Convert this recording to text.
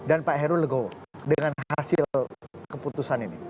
dan pak heru legowo dengan hasil keputusan ini